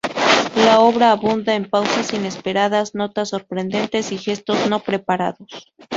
La obra abunda en pausas inesperadas, notas sorprendentes y gestos no preparados.